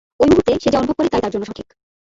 ঐ মূহুর্তে, সে যা অনুভব করে তা-ই তার জন্য সঠিক।